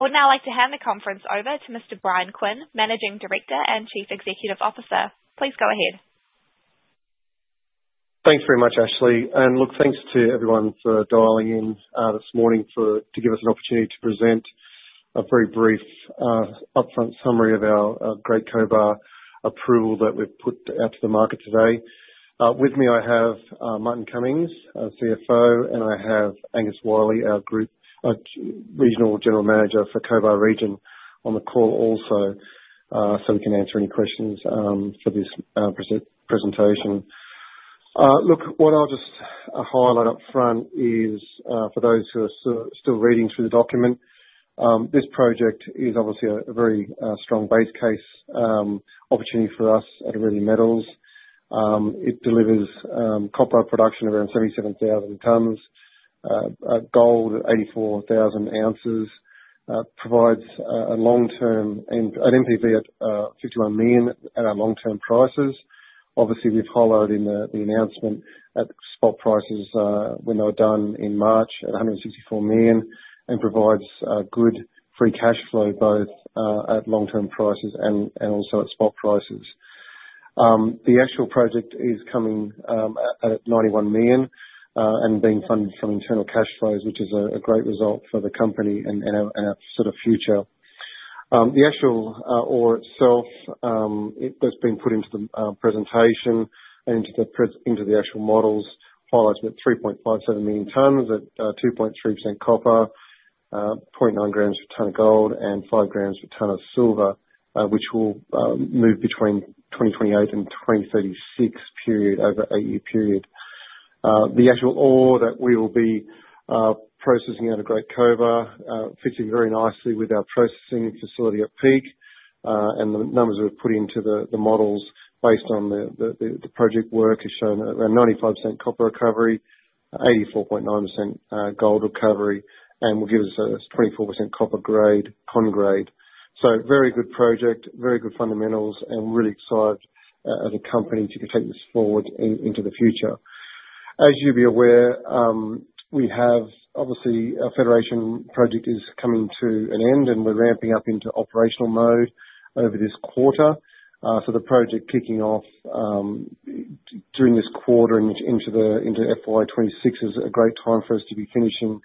Would now like to hand the conference over to Mr. Bryan Quinn, Managing Director and Chief Executive Officer. Please go ahead. Thanks very much, Ashley. Thanks to everyone for dialing in this morning to give us an opportunity to present a very brief upfront summary of our Great Cobar approval that we have put out to the market today. With me, I have Martin Cummings, CFO, and I have Angus Wyllie, our Regional General Manager for Cobar region, on the call also so we can answer any questions for this presentation. What I will just highlight upfront is, for those who are still reading through the document, this project is obviously a very strong base case opportunity for us at Aurelia Metals. It delivers copper production around 77,000 tons, gold 84,000 ounces, provides a long-term NPV at $51 million at our long-term prices. Obviously, we've highlighted in the announcement at spot prices when they were done in March at $164 million and provides good free cash flow both at long-term prices and also at spot prices. The actual project is coming at $91 million and being funded from internal cash flows, which is a great result for the company and our sort of future. The actual ore itself that's been put into the presentation and into the actual models highlights about 3.57 million tons at 2.3% copper, 0.9 grams per tonne of gold, and 5 grams per tonne of silver, which will move between 2028 and 2036 period over an eight-year period. The actual ore that we will be processing out of Great Cobar fits in very nicely with our processing facility at Peak, and the numbers we've put into the models based on the project work have shown around 95% copper recovery, 84.9% gold recovery, and will give us a 24% copper grade, cone grade. Very good project, very good fundamentals, and we're really excited as a company to take this forward into the future. As you'll be aware, we have obviously a Federation project is coming to an end, and we're ramping up into operational mode over this quarter. The project kicking off during this quarter into FY 2026 is a great time for us to be finishing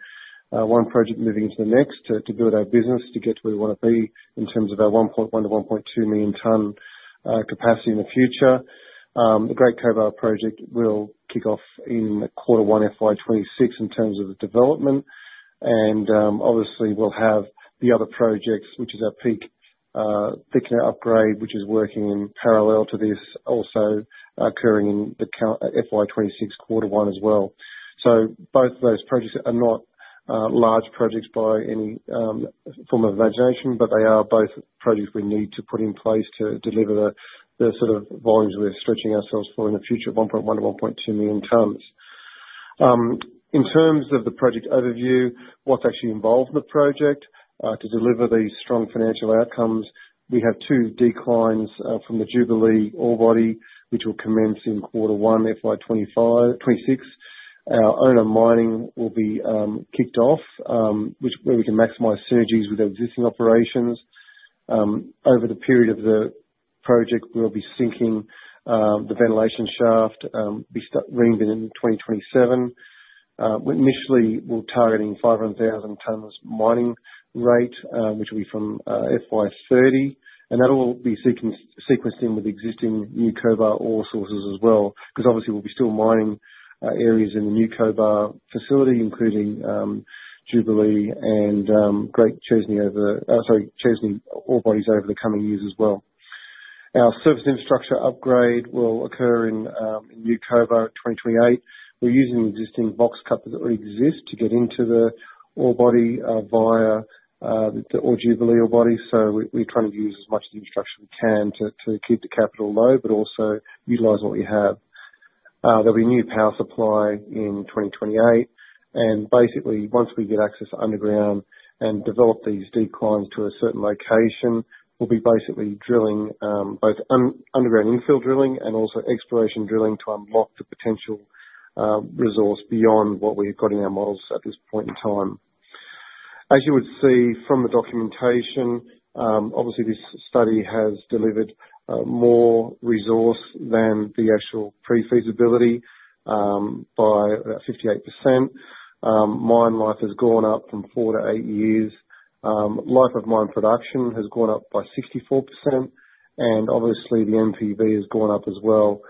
one project, moving into the next to build our business to get to where we want to be in terms of our 1.1 million tonne-1.2 million tonne capacity in the future. The Great Cobar project will kick off in quarter one FY26 in terms of development, and obviously, we'll have the other projects, which is our Peak thickener upgrade, which is working in parallel to this, also occurring in FY26 quarter one as well. Both of those projects are not large projects by any form of imagination, but they are both projects we need to put in place to deliver the sort of volumes we're stretching ourselves for in the future of 1.1 tons-1.2 million tons. In terms of the project overview, what's actually involved in the project to deliver these strong financial outcomes, we have two declines from the Jubilee ore body, which will commence in quarter one FY 2026. Our owner mining will be kicked off, which is where we can maximize synergies with our existing operations. Over the period of the project, we'll be sinking the ventilation shaft, being started in 2027. Initially, we're targeting 500,000 tons mining rate, which will be from FY 2030, and that will be sequenced in with existing New Cobar ore sources as well because obviously, we'll be still mining areas in the New Cobar facility, including Jubilee and Great Chesney ore bodies over the coming years as well. Our surface infrastructure upgrade will occur in New Cobar 2028. We're using existing box cutters that already exist to get into the ore body via the Jubilee ore body. We're trying to use as much of the infrastructure we can to keep the capital low, but also utilise what we have. There'll be new power supply in 2028. Basically, once we get access to underground and develop these declines to a certain location, we'll be basically drilling both underground infill drilling and also exploration drilling to unlock the potential resource beyond what we've got in our models at this point in time. As you would see from the documentation, obviously, this study has delivered more resource than the actual pre-feasibility by about 58%. Mine life has gone up from four to eight years. Life of mine production has gone up by 64%, and obviously, the NPV has gone up as well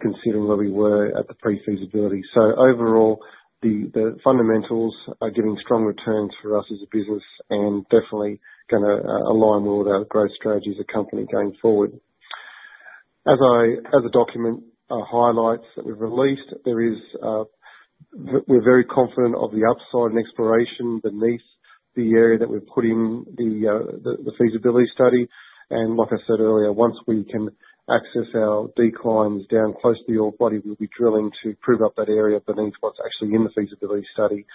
considering where we were at the pre-feasibility. Overall, the fundamentals are giving strong returns for us as a business and definitely going to align well with our growth strategy as a company going forward. As the document highlights that we've released, we're very confident of the upside in exploration beneath the area that we've put in the feasibility study. Like I said earlier, once we can access our declines down close to the ore body, we'll be drilling to prove up that area beneath what's actually in the feasibility study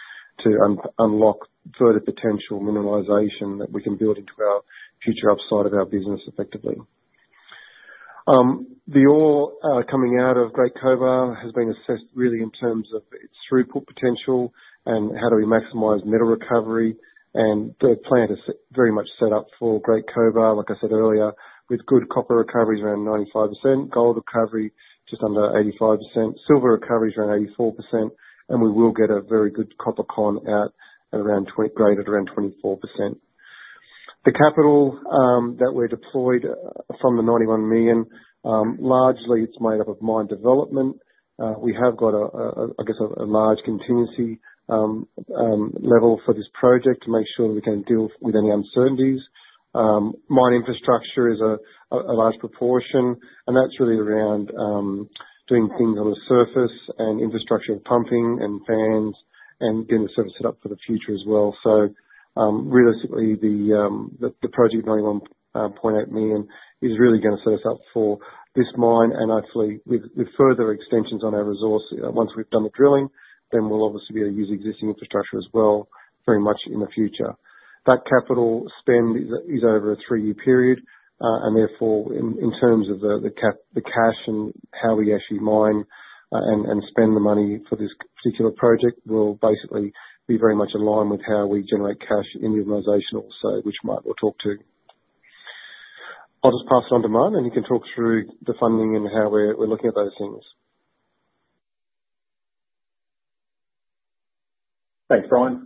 to unlock further potential minimisation that we can build into our future upside of our business effectively. The ore coming out of Great Cobar has been assessed really in terms of its throughput potential and how do we maximise metal recovery. The plant is very much set up for Great Cobar, like I said earlier, with good copper recoveries around 95%, gold recovery just under 85%, silver recoveries around 84%, and we will get a very good copper cone out at around graded around 24%. The capital that we're deployed from the $91 million, largely it's made up of mine development. We have got, I guess, a large contingency level for this project to make sure that we can deal with any uncertainties. Mine infrastructure is a large proportion, and that's really around doing things on the surface and infrastructure pumping and fans and getting the surface set up for the future as well. Realistically, the project $91.8 million is really going to set us up for this mine. Hopefully, with further extensions on our resource, once we've done the drilling, then we'll obviously be able to use existing infrastructure as well very much in the future. That capital spend is over a three-year period, and therefore, in terms of the cash and how we actually mine and spend the money for this particular project, will basically be very much aligned with how we generate cash in the organization also, which Mike will talk to. I'll just pass it on to Mine, and he can talk through the funding and how we're looking at those things. Thanks, Bryan.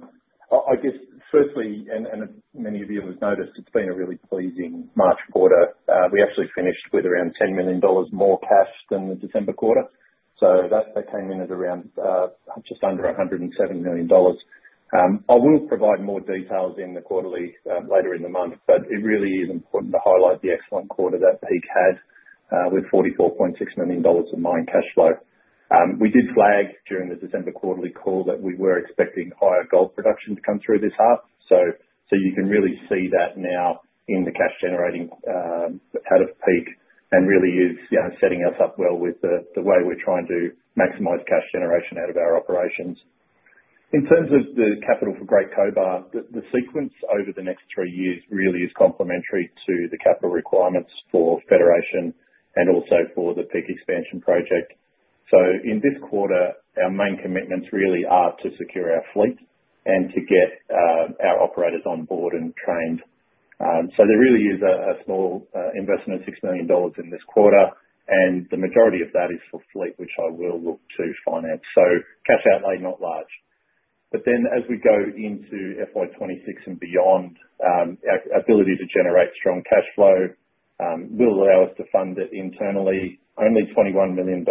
I guess, firstly, and many of you will have noticed, it's been a really pleasing March quarter. We actually finished with around $10 million more cash than the December quarter. That came in at around just under $107 million. I will provide more details in the quarterly later in the month, but it really is important to highlight the excellent quarter that Peak had with $44.6 million of mine cash flow. We did flag during the December quarterly call that we were expecting higher gold production to come through this half. You can really see that now in the cash generating out of Peak and it really is setting us up well with the way we're trying to maximise cash generation out of our operations. In terms of the capital for Great Cobar, the sequence over the next three years really is complementary to the capital requirements for Federation and also for the Peak expansion project. In this quarter, our main commitments really are to secure our fleet and to get our operators on board and trained. There really is a small investment of $6 million in this quarter, and the majority of that is for fleet, which I will look to finance. Cash outlay not large. As we go into FY 2026 and beyond, our ability to generate strong cash flow will allow us to fund it internally. Only $21 million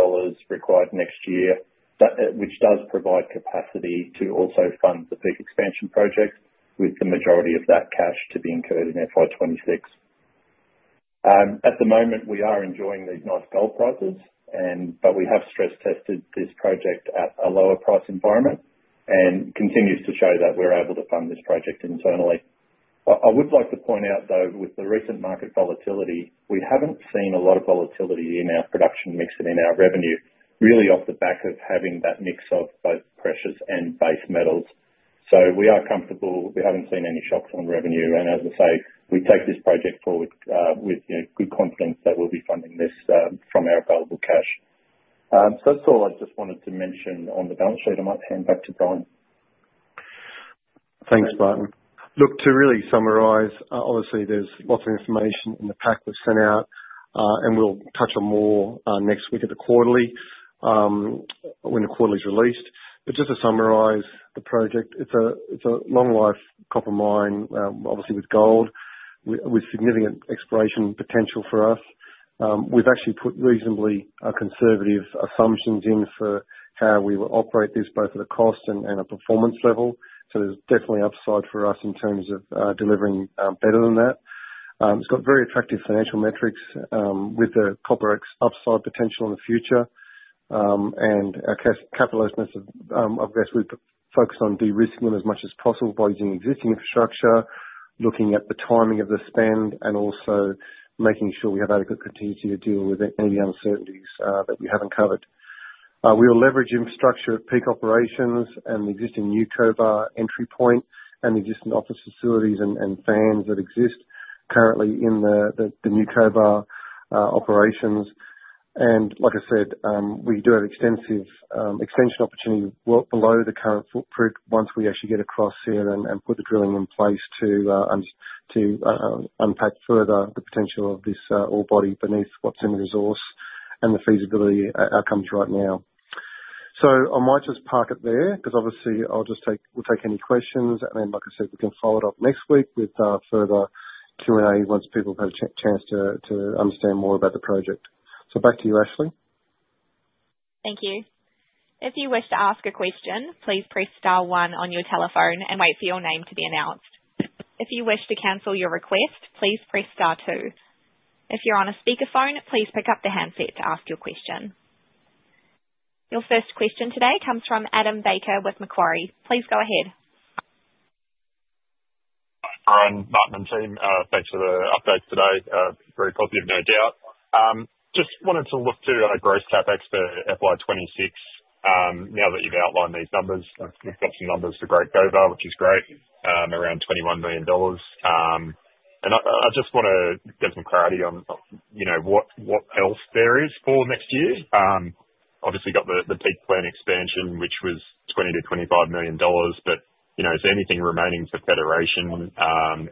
required next year, which does provide capacity to also fund the Peak expansion project with the majority of that cash to be incurred in FY 2026. At the moment, we are enjoying these nice gold prices, but we have stress tested this project at a lower price environment and it continues to show that we're able to fund this project internally. I would like to point out, though, with the recent market volatility, we haven't seen a lot of volatility in our production mix and in our revenue really off the back of having that mix of both precious and base metals. We are comfortable. We haven't seen any shocks on revenue. As I say, we take this project forward with good confidence that we'll be funding this from our available cash. That's all I just wanted to mention on the balance sheet. I might hand back to Bryan. Thanks, Martin. Look, to really summarise, obviously, there's lots of information in the pack we've sent out, and we'll touch on more next week at the quarterly when the quarterly is released. Just to summarise the project, it's a long-life copper mine, obviously with gold, with significant exploration potential for us. We've actually put reasonably conservative assumptions in for how we will operate this, both at a cost and a performance level. There's definitely upside for us in terms of delivering better than that. It's got very attractive financial metrics with the copper upside potential in the future. Our capital estimates have, I guess, we've focused on de-risking them as much as possible by using existing infrastructure, looking at the timing of the spend, and also making sure we have adequate contingency to deal with any uncertainties that we haven't covered. We will leverage infrastructure at Peak operations and the existing New Cobar entry point and the existing office facilities and fans that exist currently in the New Cobar operations. Like I said, we do have extension opportunity below the current footprint once we actually get across here and put the drilling in place to unpack further the potential of this ore body beneath what's in the resource and the feasibility outcomes right now. I might just park it there because obviously, we'll take any questions. Like I said, we can follow it up next week with further Q&A once people have had a chance to understand more about the project. Back to you, Ashley. Thank you. If you wish to ask a question, please press star one on your telephone and wait for your name to be announced. If you wish to cancel your request, please press star two. If you're on a speakerphone, please pick up the handset to ask your question. Your first question today comes from Adam Baker with Macquarie. Please go ahead. Hi, Bryan, Martin and team. Thanks for the update today. Very positive, no doubt. Just wanted to look to our gross CapEx for FY 2026 now that you've outlined these numbers. We've got some numbers for Great Cobar, which is great, around $21 million. I just want to get some clarity on what else there is for next year. Obviously, got the Peak plant expansion, which was $20 million-$25 million, but is there anything remaining for Federation,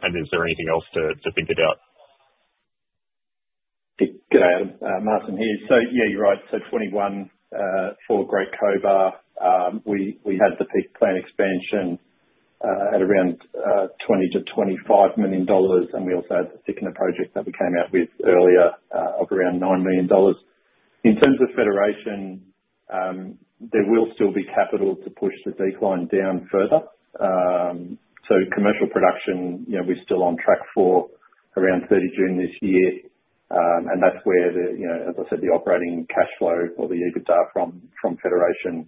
and is there anything else to think about? Good day, Adam. Martin here. Yeah, you're right. $21 million for Great Cobar. We had the Peak plant expansion at around $20 million-$25 million, and we also had the thickener project that we came out with earlier of around $9 million. In terms of Federation, there will still be capital to push the decline down further. Commercial production, we're still on track for around 30 June this year. That is where, as I said, the operating cash flow or the EBITDA from Federation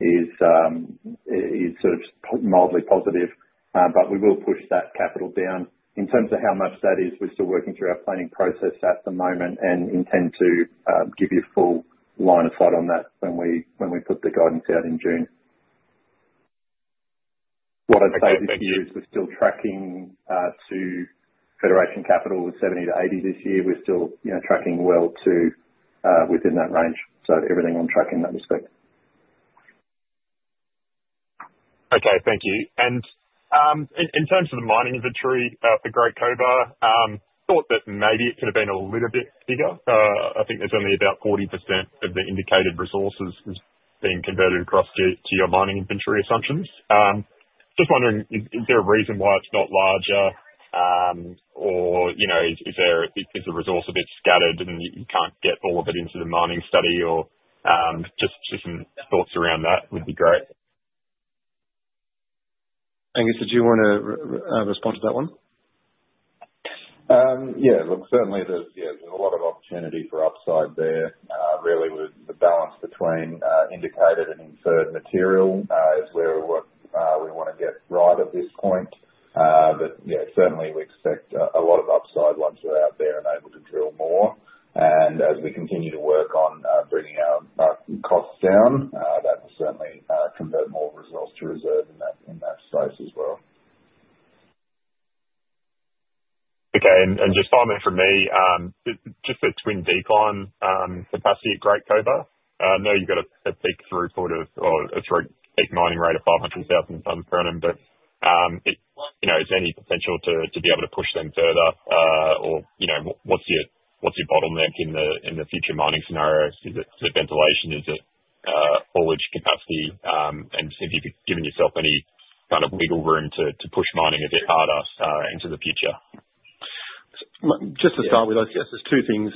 is sort of mildly positive. We will push that capital down. In terms of how much that is, we're still working through our planning process at the moment and intend to give you full line of sight on that when we put the guidance out in June. What I'd say this year is we're still tracking to Federation capital was 70-80 this year. We're still tracking well to within that range. Everything on track in that respect. Okay, thank you. In terms of the mining inventory for Great Cobar, thought that maybe it could have been a little bit bigger. I think there's only about 40% of the indicated resources being converted across to your mining inventory assumptions. Just wondering, is there a reason why it's not larger or is the resource a bit scattered and you can't get all of it into the mining study or just some thoughts around that would be great? Angus, did you want to respond to that one? Yeah, look, certainly there's a lot of opportunity for upside there. Really, the balance between indicated and inferred material is where we want to get right at this point. Yeah, certainly we expect a lot of upside once we're out there and able to drill more. As we continue to work on bringing our costs down, that will certainly convert more resource to reserve in that space as well. Okay. Just simultaneously for me, just the twin decline capacity at Great Cobar. I know you've got a peak throughput of or a peak mining rate of 500,000 tons per annum, but is there any potential to be able to push them further? What is your bottleneck in the future mining scenarios? Is it ventilation? Is it forage capacity? Have you given yourself any kind of wiggle room to push mining a bit harder into the future? Just to start with, I guess there's two things.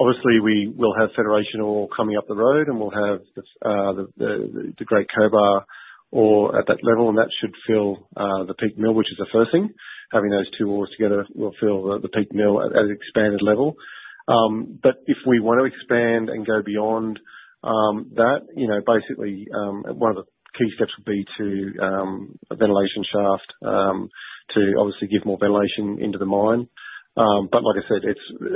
Obviously, we will have Federation ore coming up the road, and we'll have the Great Cobar ore at that level, and that should fill the Peak mill, which is the first thing. Having those two ores together will fill the Peak mill at an expanded level. If we want to expand and go beyond that, basically one of the key steps would be to add a ventilation shaft to obviously give more ventilation into the mine. Like I said,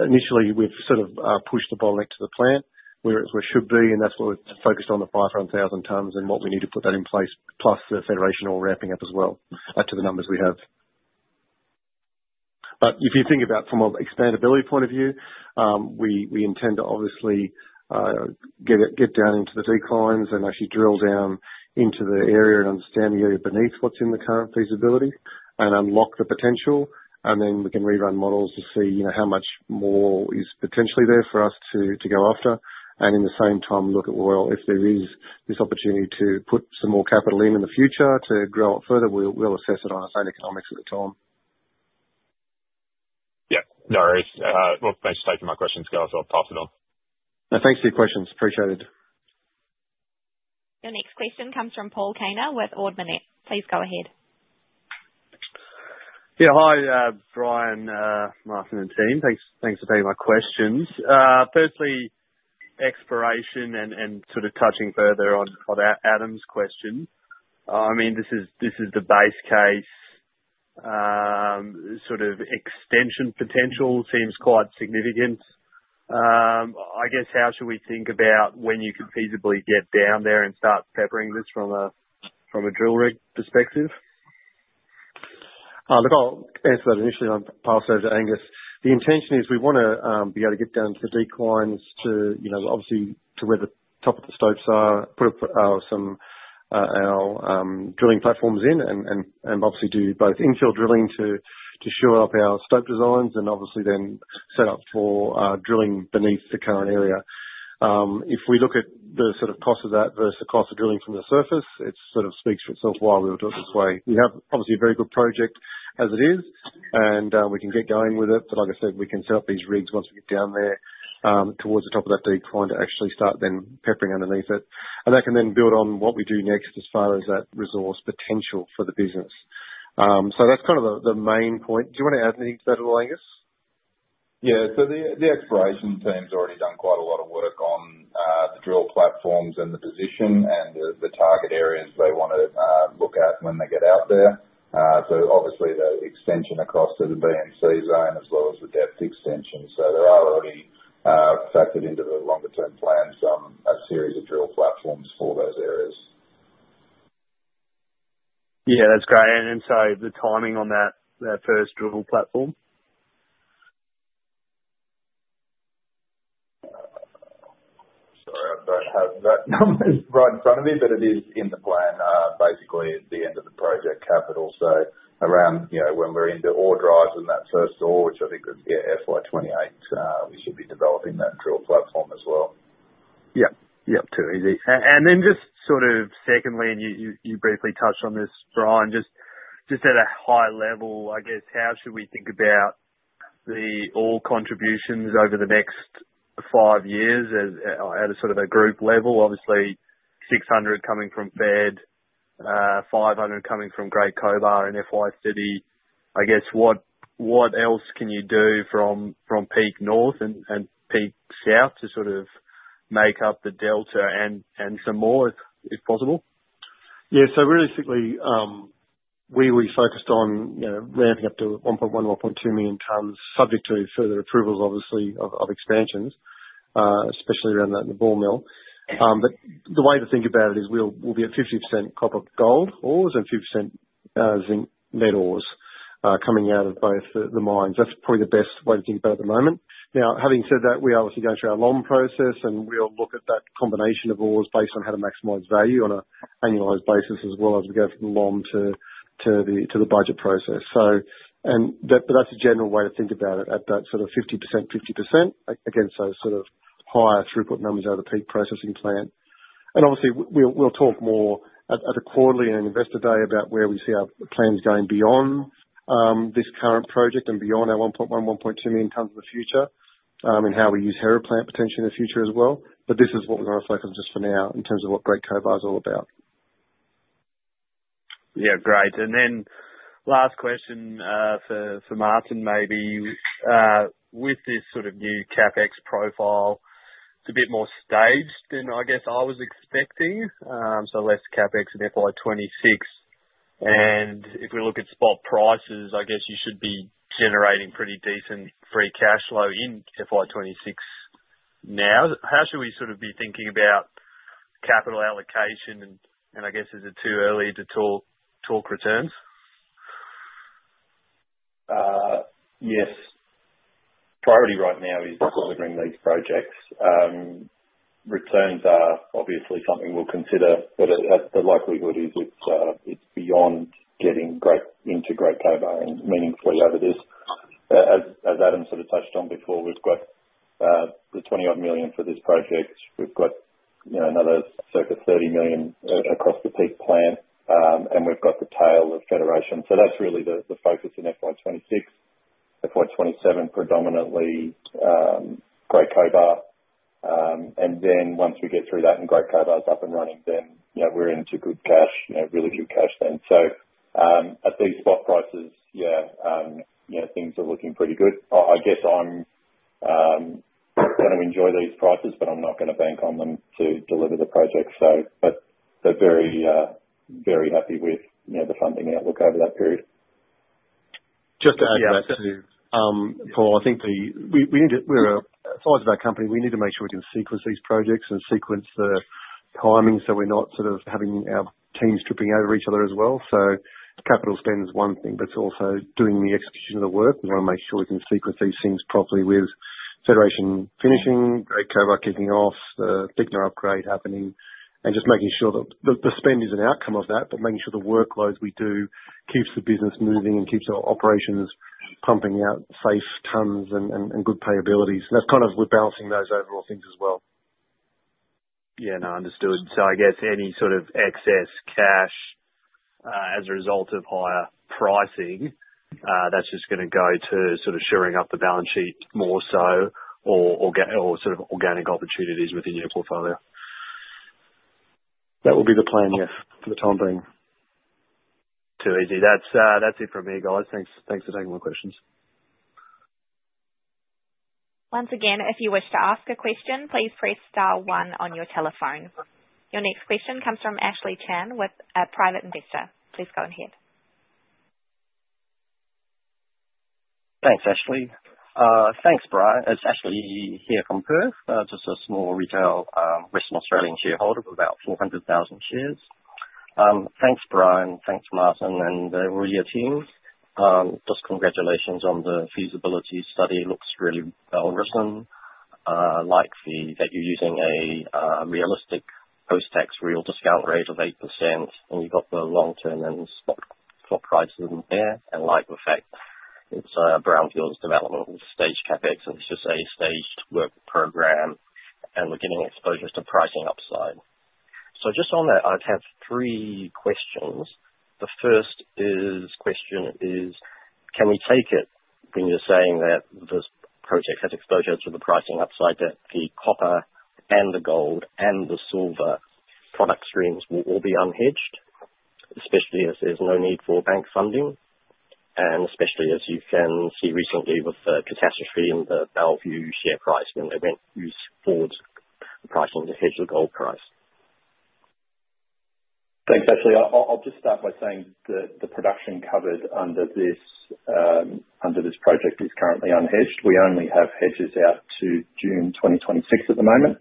initially we've sort of pushed the bottleneck to the plant where it should be, and that's why we're focused on the 500,000 tons and what we need to put that in place, plus the Federation ore ramping up as well to the numbers we have. If you think about from an expandability point of view, we intend to obviously get down into the declines and actually drill down into the area and understand the area beneath what's in the current feasibility and unlock the potential. Then we can rerun models to see how much more is potentially there for us to go after. At the same time, look at, well, if there is this opportunity to put some more capital in in the future to grow it further, we'll assess it on our own economics at the time. Yeah, no worries. Thanks for taking my questions, guys. I'll pass it on. Thanks for your questions. Appreciate it. Your next question comes from Paul Kaner with Ord Minnett. Please go ahead. Yeah, hi, Bryan, Martin and team. Thanks for taking my questions. Firstly, exploration and sort of touching further on Adam's question. I mean, this is the base case. Sort of extension potential seems quite significant. I guess, how should we think about when you could feasibly get down there and start peppering this from a drill rig perspective? Look, I'll answer that initially. I'll pass over to Angus. The intention is we want to be able to get down to the declines to obviously to where the top of the stopes are, put some of our drilling platforms in, and obviously do both infill drilling to shore up our stope designs and obviously then set up for drilling beneath the current area. If we look at the sort of cost of that versus the cost of drilling from the surface, it sort of speaks for itself why we would do it this way. We have obviously a very good project as it is, and we can get going with it. Like I said, we can set up these rigs once we get down there towards the top of that decline to actually start then peppering underneath it. That can then build on what we do next as far as that resource potential for the business. That is kind of the main point. Do you want to add anything to that at all, Angus? Yeah. The exploration team's already done quite a lot of work on the drill platforms and the position and the target areas they want to look at when they get out there. Obviously the extension across to the basin zone as well as the depth extension. There are already factored into the longer-term plans a series of drill platforms for those areas. Yeah, that's great. The timing on that first drill platform? Sorry, I do not have that number right in front of me, but it is in the plan, basically at the end of the project capital. Around when we are into ore drives and that first ore, which I think was FY 2028, we should be developing that drill platform as well. Yep. Yep, too easy. Just sort of secondly, and you briefly touched on this, Bryan, just at a high level, I guess, how should we think about the ore contributions over the next five years at a sort of a group level? Obviously, 600 coming from Fed, 500 coming from Great Cobar in FY 2030. I guess, what else can you do from Peak North and Peak South to sort of make up the delta and some more if possible? Yeah. Realistically, we were focused on ramping up to 1.1 million tons-1.2 million tons, subject to further approvals, obviously, of expansions, especially around the bore mill. The way to think about it is we will be at 50% copper gold ores and 50% zinc lead ores coming out of both the mines. That is probably the best way to think about it at the moment. Now, having said that, we obviously go through our LOM process, and we'll look at that combination of ores based on how to maximize value on an annualized basis as well as we go from LOM to the budget process. That is a general way to think about it at that sort of 50%, 50%, against those sort of higher throughput numbers out of the Peak processing plant. We will talk more at a quarterly and an investor day about where we see our plans going beyond this current project and beyond our 1.1 million tons-1.2 million tons in the future and how we use Hera plant potentially in the future as well. This is what we're going to focus on just for now in terms of what Great Cobar is all about. Yeah, great. Last question for Martin, maybe. With this sort of new CapEx profile, it's a bit more staged than I guess I was expecting. Less CapEx in FY 2026. If we look at spot prices, I guess you should be generating pretty decent free cash flow in FY 2026 now. How should we sort of be thinking about capital allocation? I guess is it too early to talk returns? Yes. Priority right now is delivering these projects. Returns are obviously something we'll consider, but the likelihood is it's beyond getting into Great Cobar and meaningfully over this. As Adam sort of touched on before, we've got the $20-odd million for this project. We've got another circa $30 million across the Peak plant, and we've got the tail of Federation. That's really the focus in FY 2026. FY 2027, predominantly Great Cobar. Once we get through that and Great Cobar is up and running, then we're into good cash, really good cash then. At these spot prices, yeah, things are looking pretty good. I guess I'm going to enjoy these prices, but I'm not going to bank on them to deliver the project. Very, very happy with the funding outlook over that period. Just to add to that, too, Paul, I think we're a size of that company. We need to make sure we can sequence these projects and sequence the timing so we're not sort of having our teams tripping over each other as well. Capital spend is one thing, but it's also doing the execution of the work. We want to make sure we can sequence these things properly with Federation finishing, Great Cobar kicking off, the thickener upgrade happening, and just making sure that the spend is an outcome of that, but making sure the workloads we do keeps the business moving and keeps our operations pumping out safe tonnes and good payabilities. That's kind of we're balancing those overall things as well. Yeah, no, understood. I guess any sort of excess cash as a result of higher pricing, that's just going to go to shoring up the balance sheet more so or organic opportunities within your portfolio. That will be the plan, yes, for the time being. Too easy. That's it from me, guys. Thanks for taking my questions. Once again, if you wish to ask a question, please press star one on your telephone. Your next question comes from Ashley Chan with Private Investor. Please go ahead. Thanks, Ashley. Thanks, Bryan. It's Ashley here from Perth, just a small retail Western Australian shareholder with about 400,000 shares. Thanks, Bryan. Thanks, Martin, and all your teams. Just congratulations on the feasibility study. Looks really well written. Like that you're using a realistic post-tax real discount rate of 8%, and you've got the long-term and spot prices in there. Like the fact it's brownfields sevelopment with staged CapEx, and it's just a staged work program, and we're getting exposure to pricing upside. Just on that, I'd have three questions. The first question is, can we take it when you're saying that this project has exposure to the pricing upside, that the copper and the gold and the silver product streams will all be unhedged, especially as there's no need for bank funding? Especially as you can see recently with the catastrophe in the Bellevue share price when they went to use forward pricing to hedge the gold price. Thanks, Ashley. I'll just start by saying that the production covered under this project is currently unhedged. We only have hedges out to June 2026 at the moment.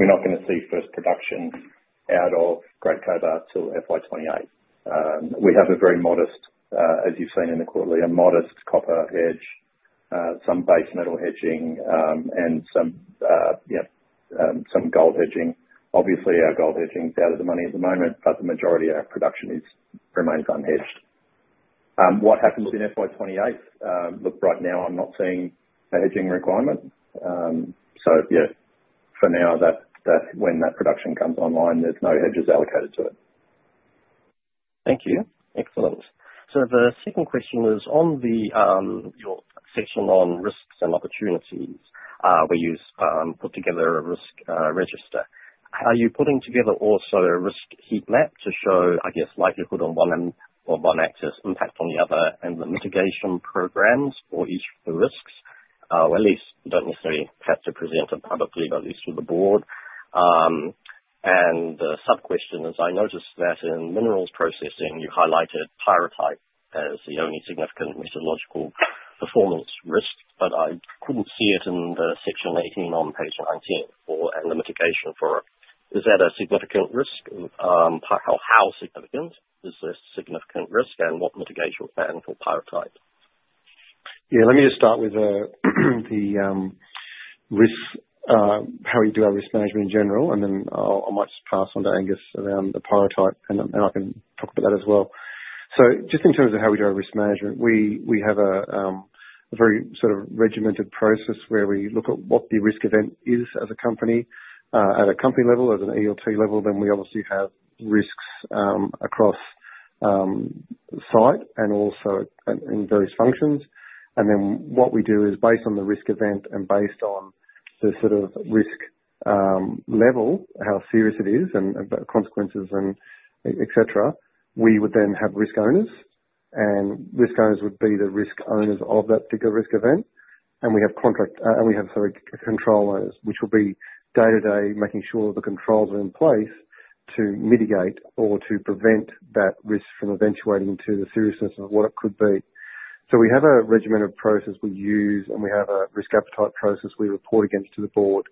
We're not going to see first production out of Great Cobar till FY 2028. We have a very modest, as you've seen in the quarterly, a modest copper hedge, some base metal hedging, and some gold hedging. Obviously, our gold hedging is out of the money at the moment, but the majority of our production remains unhedged. What happens in FY 2028? Look, right now I'm not seeing a hedging requirement. For now, when that production comes online, there's no hedges allocated to it. Thank you. Excellent. The second question was on your section on risks and opportunities where you've put together a risk register. Are you putting together also a risk heat map to show, I guess, likelihood on one end or one axis, impact on the other, and the mitigation programs for each of the risks? You don't necessarily have to present it publicly, but at least with the board. The sub-question is, I noticed that in minerals processing, you highlighted pyrrhotite as the only significant metallurgical performance risk, but I couldn't see it in section 18 on page 19 and the mitigation for it. Is that a significant risk? How significant is this significant risk, and what mitigation plan for pyrrhotite? Yeah, let me just start with the risk, how we do our risk management in general, and then I might just pass on to Angus around the pyrrhotite, and I can talk about that as well. Just in terms of how we do our risk management, we have a very sort of regimented process where we look at what the risk event is at a company level, at an ELT level. We obviously have risks across site and also in various functions. What we do is, based on the risk event and based on the sort of risk level, how serious it is and the consequences, etc., we would then have risk owners. Risk owners would be the risk owners of that particular risk event. We have control owners, which will be day-to-day making sure the controls are in place to mitigate or to prevent that risk from eventuating to the seriousness of what it could be. We have a regimented process we use, and we have a risk appetite process we report against to the board.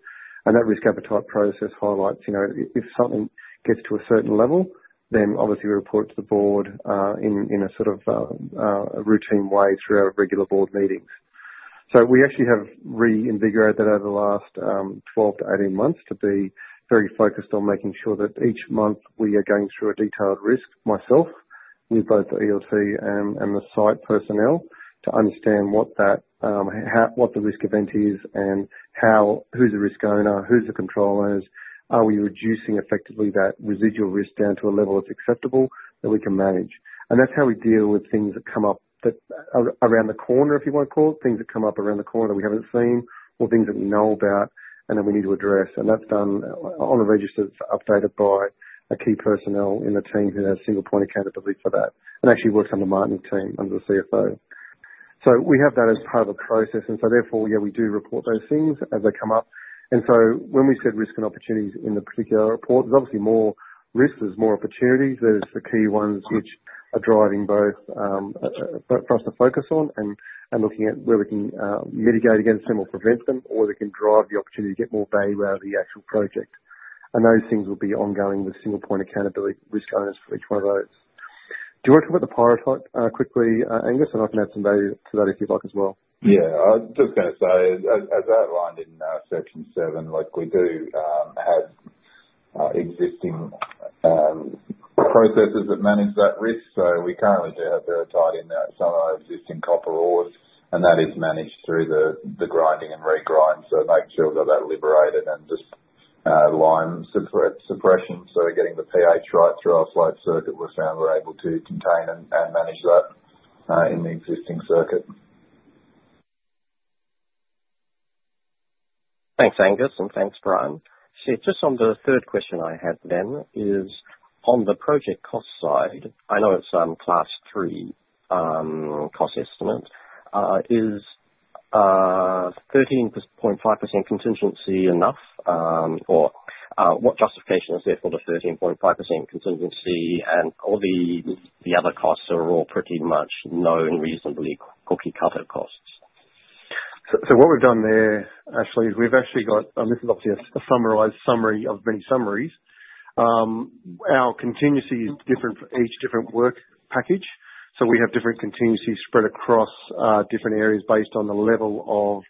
That risk appetite process highlights if something gets to a certain level, then obviously we report it to the board in a sort of routine way through our regular board meetings. We actually have reinvigorated that over the last 12 months-18 months to be very focused on making sure that each month we are going through a detailed risk, myself, with both the ELT and the site personnel, to understand what the risk event is and who's the risk owner, who's the control owners. Are we reducing effectively that residual risk down to a level that's acceptable that we can manage? That's how we deal with things that come up around the corner, if you want to call it, things that come up around the corner that we haven't seen or things that we know about and that we need to address. That's done on a register that's updated by a key personnel in the team who has single-point accountability for that and actually works under Martin's team, under the CFO. We have that as part of a process. Therefore, yeah, we do report those things as they come up. When we said risk and opportunities in the particular report, there's obviously more risks, there's more opportunities, there's the key ones which are driving both for us to focus on and looking at where we can mitigate against them or prevent them or where they can drive the opportunity to get more value out of the actual project. Those things will be ongoing with single-point accountability risk owners for each one of those. Do you want to talk about the pyrrhotite quickly, Angus? I can add some value to that if you'd like as well. Yeah. I was just going to say, as outlined in section seven, we do have existing processes that manage that risk. We currently do have very tight in there at some of our existing copper ores, and that is managed through the grinding and regrind. Making sure we've got that liberated and just lime suppression, we're getting the pH right through our flow circuit. We've found we're able to contain and manage that in the existing circuit. Thanks, Angus. Thanks, Bryan. Shit, just on the third question I had then is, on the project cost side, I know it's class three cost estimate. Is 13.5% contingency enough? Or what justification is there for the 13.5% contingency? All the other costs are all pretty much known, reasonably cookie-cutter costs. What we have done there, Ashley, is we have actually got—and this is obviously a summarised summary of many summaries—our contingency is different for each different work package. We have different contingencies spread across different areas based on the level of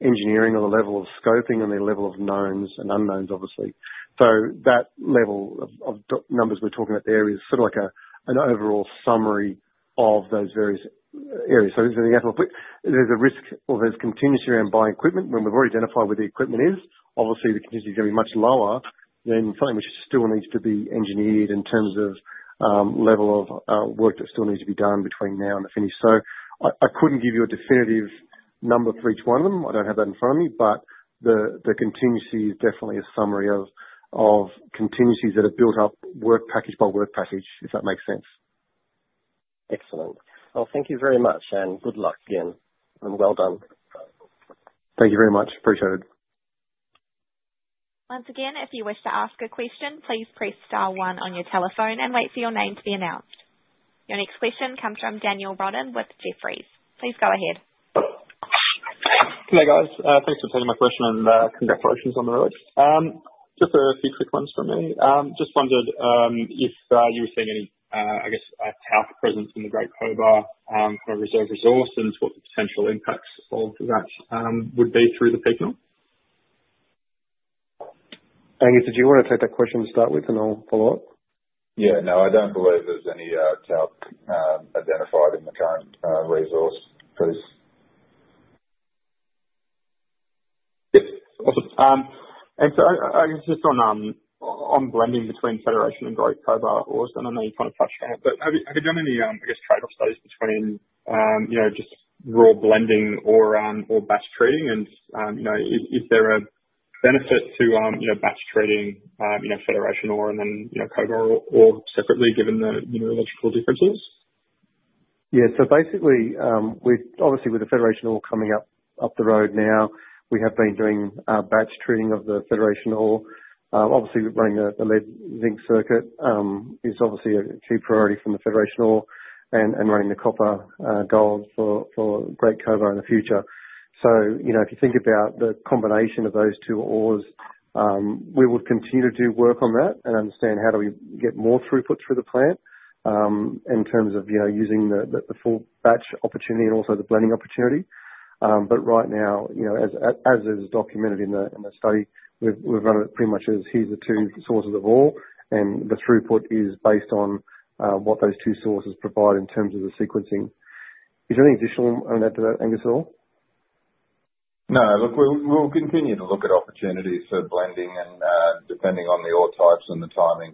engineering, on the level of scoping, on the level of knowns and unknowns, obviously. That level of numbers we are talking about there is sort of like an overall summary of those various areas. There is a risk or there is contingency around buying equipment. When we have already identified where the equipment is, obviously the contingency is going to be much lower than something which still needs to be engineered in terms of level of work that still needs to be done between now and the finish. I could not give you a definitive number for each one of them. I do not have that in front of me. The contingency is definitely a summary of contingencies that are built up work package by work package, if that makes sense. Excellent. Thank you very much, and good luck again. Well done. Thank you very much. Appreciate it. Once again, if you wish to ask a question, please press star one on your telephone and wait for your name to be announced. Your next question comes from Daniel Rodden with Jefferies. Please go ahead. Hey, guys. Thanks for taking my question and congratulations on the reward. Just a few quick ones from me. Just wondered if you were seeing any, I guess, TARP presence in the Great Cobar reserve resource and what the potential impacts of that would be through the Peak? Angus, did you want to take that question to start with, and I'll follow up? Yeah. No, I don't believe there's any TARP identified in the current resource, please. Yes. Awesome. I guess just on blending between Federation and Great Cobar ores, and I know you've kind of touched on it, but have you done any, I guess, trade-off studies between just raw blending or batch treating? Is there a benefit to batch treating Federation ore and then Cobar ore separately given the logical differences? Yeah. So basically, obviously with the Federation ore coming up the road now, we have been doing batch treating of the Federation ore. Obviously, running the lead zinc circuit is obviously a key priority from the Federation ore and running the copper gold for Great Cobar in the future. If you think about the combination of those two ores, we would continue to do work on that and understand how do we get more throughput through the plant in terms of using the full batch opportunity and also the blending opportunity. Right now, as is documented in the study, we've run it pretty much as here's the two sources of ore, and the throughput is based on what those two sources provide in terms of the sequencing. Is there any additional on that, Angus at all? No. Look, we'll continue to look at opportunities for blending and depending on the ore types and the timing.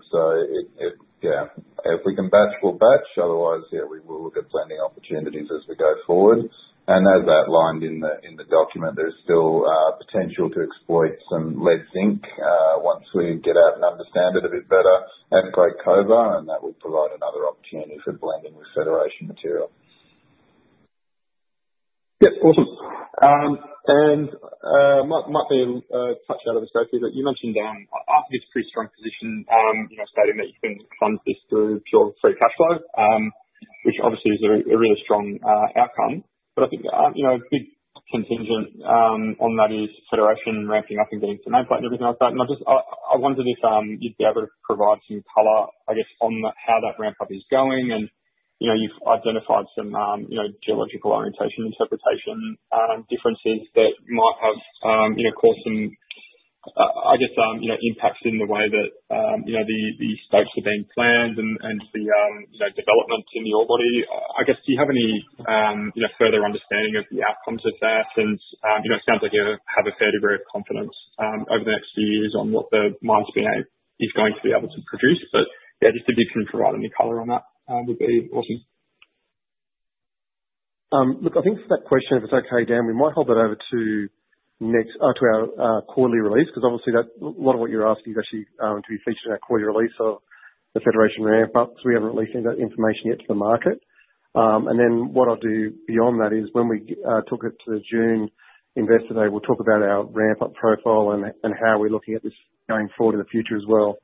Yeah, if we can batch, we'll batch. Otherwise, we will look at blending opportunities as we go forward. As outlined in the document, there's still potential to exploit some lead zinc once we get out and understand it a bit better at Great Cobar, and that would provide another opportunity for blending with Federation material. Yes. Awesome. It might be a touch out of the scope here, but you mentioned I think it's a pretty strong position stating that you can fund this through pure free cash flow, which obviously is a really strong outcome. I think a big contingent on that is Federation ramping up and getting to nameplate and everything like that. I wondered if you'd be able to provide some color, I guess, on how that ramp-up is going. You've identified some geological orientation interpretation differences that might have caused some, I guess, impacts in the way that the stopes are being planned and the development in the ore body. I guess, do you have any further understanding of the outcomes of that? It sounds like you have a fair degree of confidence over the next few years on what the [Mines BA] is going to be able to produce. Just if you can provide any color on that would be awesome. Look, I think for that question, if it's okay, Dan, we might hold that over to our quarterly release because obviously a lot of what you're asking is actually to be featured in our quarterly release of the Federation ramp-up. We haven't released any of that information yet to the market. What I'll do beyond that is when we talk at the June investor day, we'll talk about our ramp-up profile and how we're looking at this going forward in the future as well.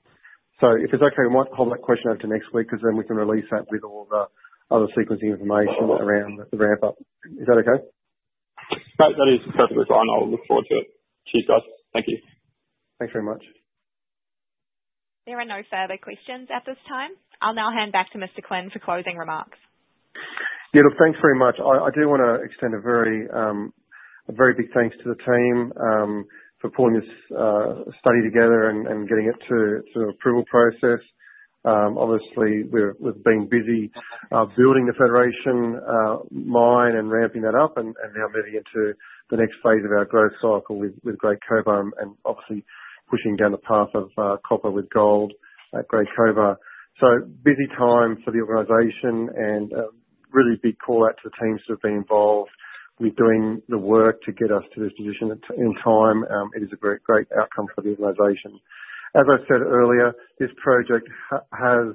If it's okay, we might hold that question over to next week because then we can release that with all the other sequencing information around the ramp-up. Is that okay? That is perfectly fine. I'll look forward to it. Cheers, guys. Thank you. Thanks very much. There are no further questions at this time. I'll now hand back to Mr. Quinn for closing remarks. Beautiful. Thanks very much. I do want to extend a very big thanks to the team for pulling this study together and getting it to the approval process. Obviously, we've been busy building the Federation Mine and ramping that up and now moving into the next phase of our growth cycle with Great Cobar and obviously pushing down the path of copper with gold at Great Cobar. Busy time for the organization and really big call out to the teams that have been involved with doing the work to get us to this position in time. It is a great outcome for the organization. As I said earlier, this project has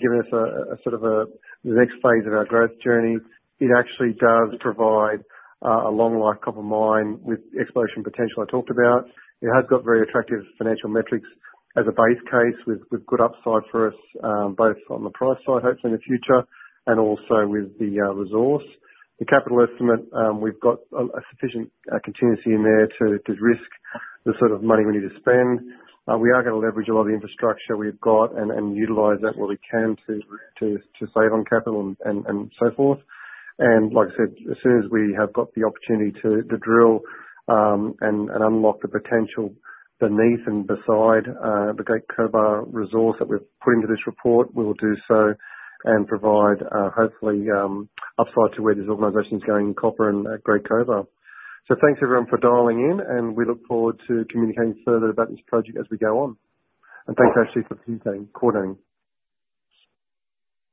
given us a sort of the next phase of our growth journey. It actually does provide a long-life copper mine with exploration potential I talked about. It has got very attractive financial metrics as a base case with good upside for us, both on the price side, hopefully in the future, and also with the resource. The capital estimate, we've got a sufficient contingency in there to risk the sort of money we need to spend. We are going to leverage a lot of the infrastructure we've got and utilize that where we can to save on capital and so forth. Like I said, as soon as we have got the opportunity to drill and unlock the potential beneath and beside the Great Cobar resource that we've put into this report, we will do so and provide hopefully upside to where this organization is going in copper and Great Cobar. Thanks everyone for dialing in, and we look forward to communicating further about this project as we go on. Thanks, Ashley, for participating.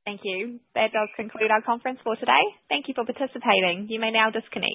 Thank you. That does conclude our conference for today. Thank you for participating. You may now disconnect.